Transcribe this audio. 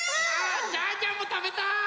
ジャンジャンもたべたい！